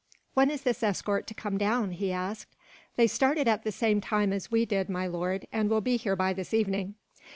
"When is this escort to come down?" he asked. "They started at the same time as we did, my lord, and will be here by this evening."